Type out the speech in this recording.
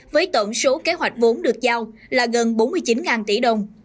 với tổng số kế hoạch vốn được giao là gần bốn mươi chín tỷ đồng